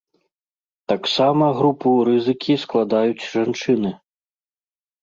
Таксама групу рызыкі складаюць жанчыны.